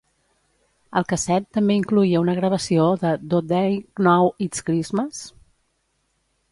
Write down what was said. El casset també incloïa una gravació de Do They Know It's Christmas?